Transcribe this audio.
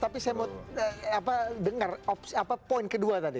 tapi saya mau dengar poin kedua tadi